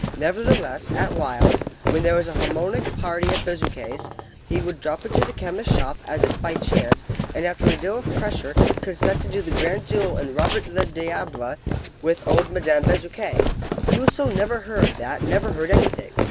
Nevertheless, at whiles, when there was a harmonic party at Bezuquet's, he would drop into the chemist's shop, as if by chance, and, after a deal of pressure, consent to do the grand duo in Robert le Diable with old Madame Bezuquet. Whoso never heard that never heard anything!